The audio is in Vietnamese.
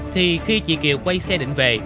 thì khi chị kiều quay xe định về